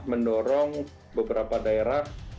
mendorong beberapa daerah